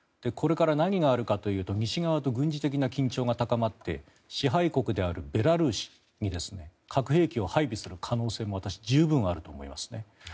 これから何があるかというと西側と軍事的な緊張が高まって支配国であるベラルーシに核兵器を配備する可能性も十分あると思います。